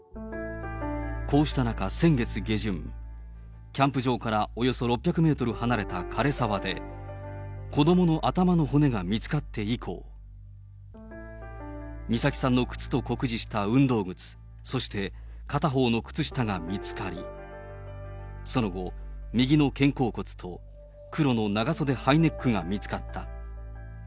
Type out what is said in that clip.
こうした中、先月下旬、キャンプ場からおよそ６００メートル離れた枯れ沢で、子どもの頭の骨が見つかって以降、美咲さんの靴と酷似した運動靴、そして片方の靴下が見つかり、その後、右の肩甲骨と黒の長袖ハイネックが見つかった。